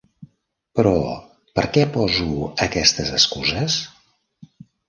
Però per què poso aquestes excuses?